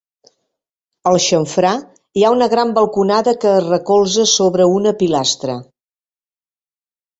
Al xamfrà hi ha una gran balconada que es recolza sobre una pilastra.